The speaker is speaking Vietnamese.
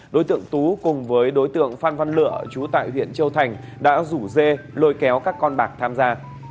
đối tượng tú cùng với đối tượng phan văn lựa chú tại huyện châu thành đã rủ dê lôi kéo các con bạc tham gia